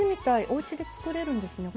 おうちでつくれるんですね。